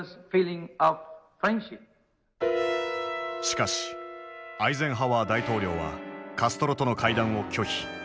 しかしアイゼンハワー大統領はカストロとの会談を拒否。